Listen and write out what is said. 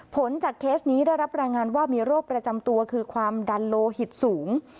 ผลจากเคสนี้ได้รับรายงานว่ามีโรคประจำตัวคือความดันโลหิตสูง